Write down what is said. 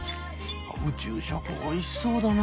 宇宙食おいしそうだな。